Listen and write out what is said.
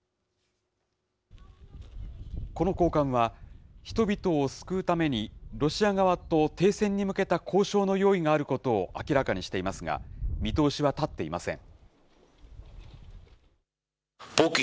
この高官は、人々を救うためにロシア側と停戦に向けた交渉の用意があることを明らかにしていますが、見通しは立っていません。